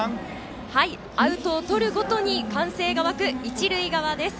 アウトをとるごとに歓声が沸く一塁側です。